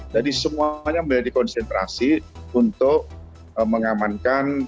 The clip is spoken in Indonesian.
jadi semuanya mulai dikonsentrasi untuk mengamankan pemudik